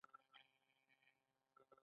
پنېر په بېلابېلو شکلونو پرې کېږي.